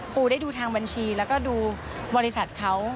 ได้ดูทางบัญชีแล้วก็ดูบริษัทเขา